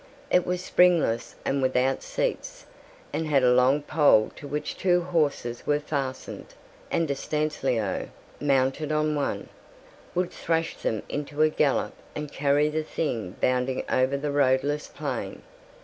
It was springless and without seats, and had a long pole to which two horses were fastened, and Estanislao, mounted on one, would thrash them into a gallop and carry the thing bounding over the roadless plain.